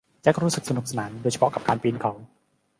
แจ็ครู้สึกสนุกสนานโดยเฉพาะกับการปีนเขา